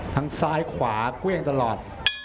ทั้งซ้ายขวาเกวี้ยงตลอด